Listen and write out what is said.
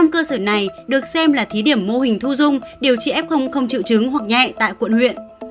một mươi cơ sở này được xem là thí điểm mô hình thu dung điều trị f không triệu chứng hoặc nhẹ tại quận huyện